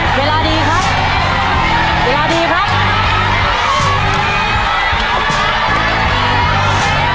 ๖๗กล่องแล้วครับ